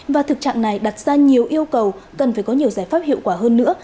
và thực trạng này đặt ra nhiều yêu cầu cần phải có nhiều giải pháp hiệu quả hơn nữa